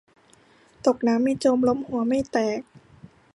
ตกน้ำไม่จม ล้มหัวไม่แตก